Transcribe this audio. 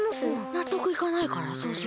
なっとくいかないからそうする。